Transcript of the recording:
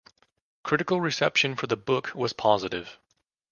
Critical reception for the book was positive.